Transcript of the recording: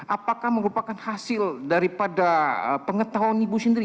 apakah merupakan hasil daripada pengetahuan ibu sendiri